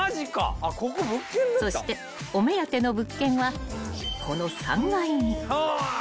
［そしてお目当ての物件はこの３階に］